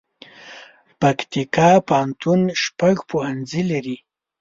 پکتيکا پوهنتون شپږ پوهنځي لري